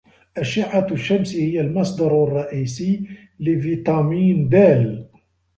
أشعة الشمس هي المصدر الرئيسي لفيتامين د